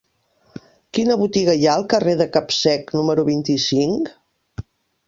Quina botiga hi ha al carrer de Capsec número vint-i-cinc?